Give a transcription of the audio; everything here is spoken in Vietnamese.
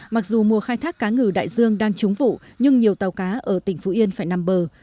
mặc dù mùa khai thác cá ngừ đại dương đang trúng vụ nhưng nhiều tàu cá ở tỉnh phú yên phải nằm bờ